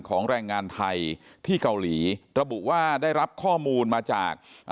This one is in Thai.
แรงงานไทยที่เกาหลีระบุว่าได้รับข้อมูลมาจาก